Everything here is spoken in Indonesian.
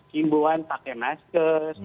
himbauan pakai masker